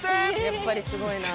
やっぱりすごいな。